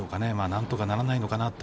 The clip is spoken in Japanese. なんとかならないのかなって